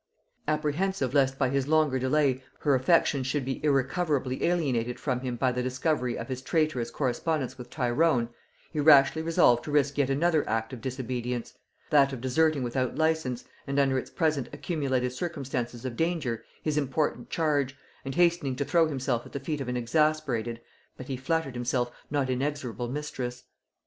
Apprehensive lest by his longer delay her affections should be irrecoverably alienated from him by the discovery of his traitorous correspondence with Tyrone, he rashly resolved to risk yet another act of disobedience; that of deserting without license, and under its present accumulated circumstances of danger, his important charge, and hastening to throw himself at the feet of an exasperated, but he flattered himself, not inexorable mistress.